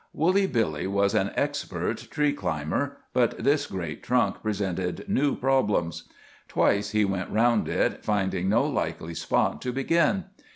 Woolly Billy was an expert tree climber, but this great trunk presented new problems. Twice he went round it, finding no likely spot to begin.